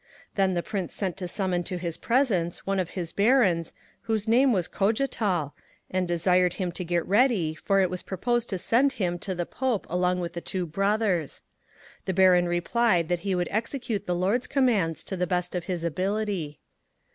Then the Prince sent to summon to his presence one of his Barons whose name was Cogatal, and desired him to get ready, for it was proposed to send him to the Pope along with the Two Brothers. The Baron replied that he would execute the Lord's commands to the best of his ability.